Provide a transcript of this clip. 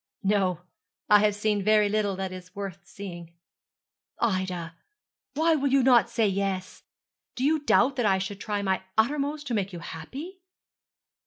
'No. I have seen very little that is worth seeing.' 'Ida, why will you not say yes? Do you doubt that I should try my uttermost to make you happy?'